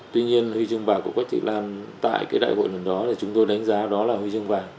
tuy nhiên huy chương bạc của quách thị lan tại cái đại hội lần đó thì chúng tôi đánh giá đó là huy chương vàng